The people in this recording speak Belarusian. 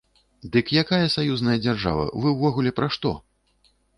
Дык якая саюзная дзяржава, вы ўвогуле пра што?